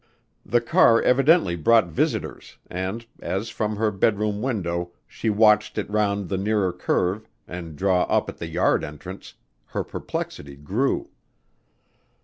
The car evidently brought visitors and as, from her bed room window, she watched it round the nearer curve and draw up at the yard entrance, her perplexity grew.